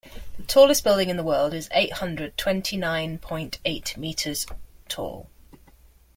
The tallest building in the world is eight hundred twenty nine point eight meters tall.